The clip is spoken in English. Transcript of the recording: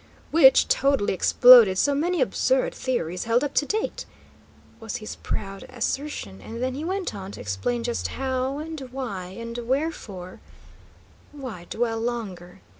"Which totally exploded so many absurd theories held up to date," was his proud assertion; and then he went on to explain just how, and why, and wherefore Why dwell longer?